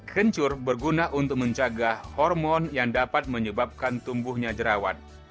kencur berguna untuk menjaga hormon yang dapat menyebabkan tumbuhnya jerawat